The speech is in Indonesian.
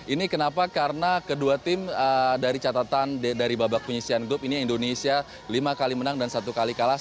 ini kenapa karena kedua tim dari catatan dari babak penyisian grup ini indonesia lima kali menang dan satu kali kalah